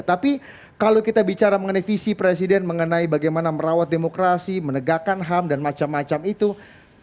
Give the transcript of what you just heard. tapi kalau kita bicara mengenai visi presiden mengenai bagaimana merawat demokrasi menegakkan ham dan macam macam itu